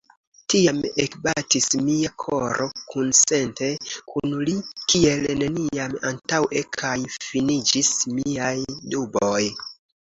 Tiam ekbatis mia koro kunsente kun li kiel neniam antaŭe, kaj finiĝis miaj duboj.